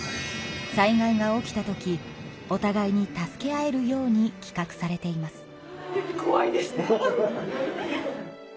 災害が起きた時おたがいに助け合えるようにきかくされています。